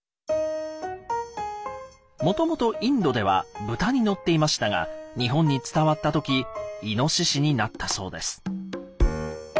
もともとインドではブタに乗っていましたが日本に伝わった時イノシシになったそうです。